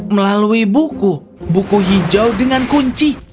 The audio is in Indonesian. melalui buku buku hijau dengan kunci